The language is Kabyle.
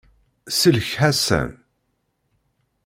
Sellek Ḥasan!